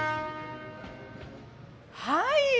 はい。